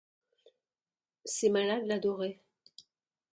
Ses malades l'adoraient.